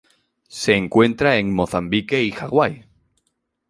Se encuentra en Mozambique y Hawai.